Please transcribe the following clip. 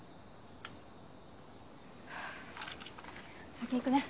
先行くね。